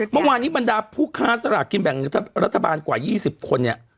เมื่อวานนี้บรรดาผู้ค้าสลากกินแบ่งรัฐบาลกว่า๒๐คนเนี่ย